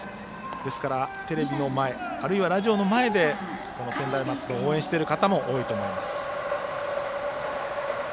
ですから、テレビの前あるいはラジオの前でこの専大松戸を応援している方も多いと思います。